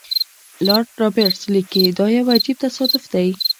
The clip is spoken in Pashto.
لارډ رابرټس لیکي دا یو عجیب تصادف دی.